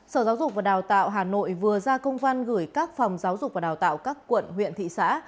sở giáo dục và đào tạo hà nội vừa ra công văn gửi các phòng giáo dục và đào tạo các quận huyện thị xã